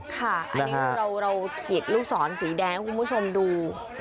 ค่ะอันนี้เราเขียนลูกศรสีแดงให้คุณผู้ชมดู